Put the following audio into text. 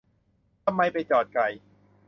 ทำไมไปจอดไกล